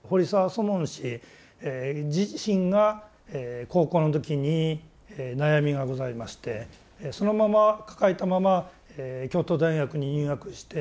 祖門師自身が高校の時に悩みがございましてそのまま抱えたまま京都大学に入学して